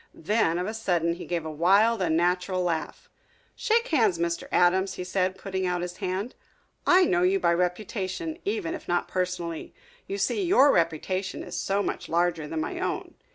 Then of a sudden he gave a wild, unnatural laugh. "Shake hands, Mr. Adams," he said, putting out his hand. "I know you by reputation even if not personally. You see, your reputation is so much larger than my own."